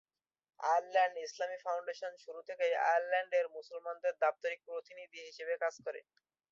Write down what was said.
Ireland ইসলামী foundation শুরু থেকেই আয়ারল্যান্ডের মুসলমানদের দাপ্তরিক প্রতিনিধি হিসাবে কাজ করে।